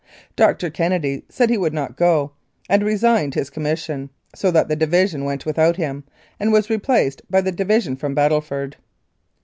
Dr. Kennedy said he would not go, and resigned his commission ; so that the division went without him, and was replaced by the division from Battleford.